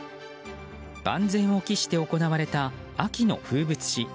万全を期して行われた秋の風物詩。